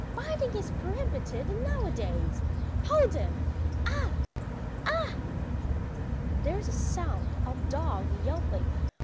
Biting is prohibited nowadays! Hold him! ah ... ah!" There is the sound of a dog yelping.